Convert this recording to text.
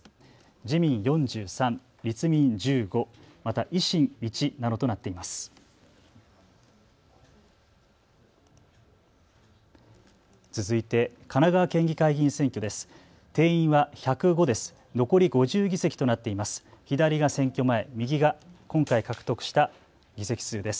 自民４３、立民１５、また維新１などとなっています。